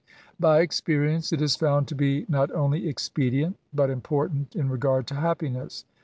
By experience it is found to be not only expedient, but important in regard to happiness.